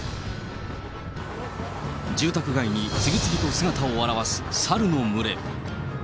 住宅街に次々と姿を現すサルの群れ。